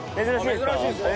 珍しいですか？